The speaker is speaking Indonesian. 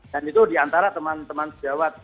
dan itu diantara teman teman sejawat